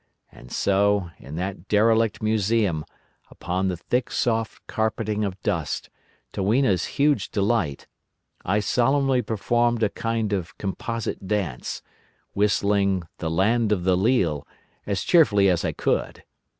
And so, in that derelict museum, upon the thick soft carpeting of dust, to Weena's huge delight, I solemnly performed a kind of composite dance, whistling The Land of the Leal as cheerfully as I could.